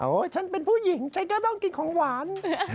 ฉันเป็นผู้หญิงฉันก็ต้องกินของหวาน